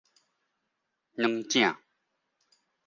軟茈